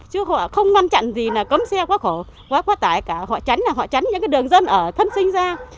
chứ họ không quan trọng gì là cấm xe quá khổ quá tải cả họ chắn là họ chắn những cái đường dân ở thân sinh ra